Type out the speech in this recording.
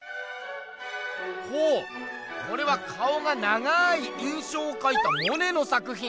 ほうこれは顔が長い「印象」をかいたモネの作品。